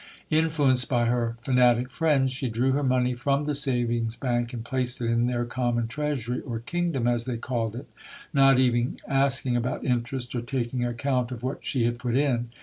Influenced by her fanatic friends, she drew her money from the savings bank and placed it in their common treasury, or kingdom, as they called it, not even asking about interest or taking account of what she had put in.